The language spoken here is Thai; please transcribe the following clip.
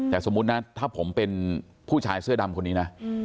แต่สมมุตินะถ้าผมเป็นผู้ชายเสื้อดำคนนี้นะ